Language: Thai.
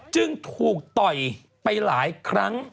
จึงถูกต่อยไปหลายครั้ง